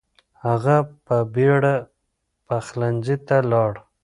هغه په بیړه پخلنځي ته لاړ.